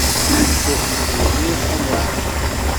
Tuɣ Tiziri amack-itt.